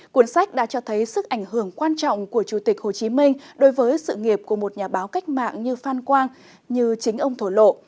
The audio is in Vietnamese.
cuốn sách đã cho thấy sức ảnh hưởng quan trọng của chủ tịch hồ chí minh đối với sự nghiệp của một nhà báo cách mạng như phan quang như chính ông thổ lộ